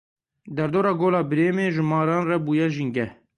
Derdora Gola Brêmê ji maran re bûye jîngeh.